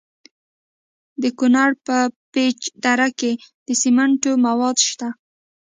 د کونړ په پیچ دره کې د سمنټو مواد شته.